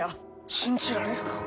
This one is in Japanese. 信じられるか？